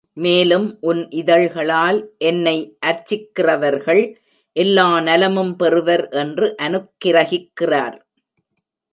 மேலும் உன் இதழ்களால் என்னை அர்ச்சிக்கிறவர்கள் எல்லா நலமும் பெறுவர் என்று அனுக்கிரகிக்கிறார்.